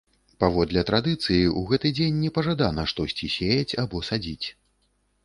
Паводле традыцыі, у гэты дзень непажадана штосьці сеяць або садзіць.